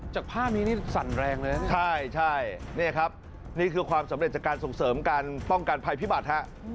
ภาพนี้นี่สั่นแรงเลยนะใช่นี่ครับนี่คือความสำเร็จจากการส่งเสริมการป้องกันภัยพิบัติฮะ